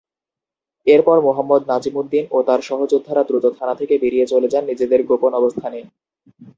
এরপর মোহাম্মদ নাজিম উদ্দিন ও তার সহযোদ্ধারা দ্রুত থানা থেকে বেরিয়ে চলে যান নিজেদের গোপন অবস্থানে।